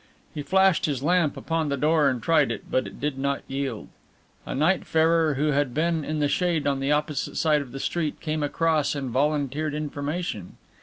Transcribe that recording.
He flashed his lamp upon the door and tried it, but it did not yield. A nightfarer who had been in the shade on the opposite side of the street came across and volunteered information.